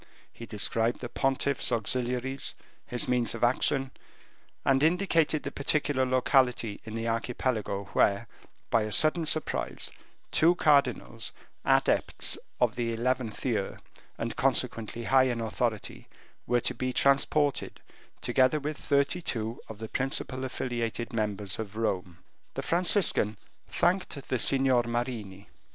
He described the pontiff's auxiliaries, his means of action, and indicated the particular locality in the Archipelago where, by a sudden surprise, two cardinals, adepts of the eleventh year, and, consequently, high in authority, were to be transported, together with thirty two of the principal affiliated members of Rome. The Franciscan thanked the Signor Marini.